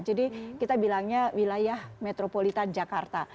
jadi kita bilangnya wilayah metropolitan jakarta